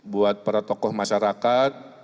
buat para tokoh masyarakat